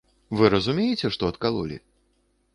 Вы разумееце, што адкалолі?